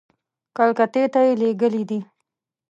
کلکتې ته یې لېږلي دي.